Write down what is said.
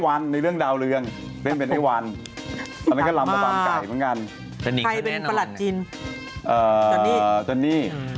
หาจนได้หรือชุดระบำไก่ใช่ไหมใช่